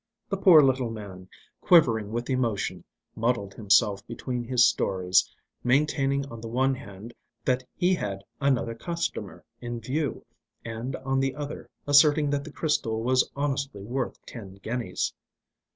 The poor little man, quivering with emotion, muddled himself between his stories, maintaining on the one hand that he had another customer in view, and on the other asserting that the crystal was honestly worth ten guineas.